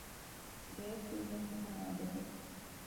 ގެއެއްކުއްޔަށް ހިފުމާބެހޭ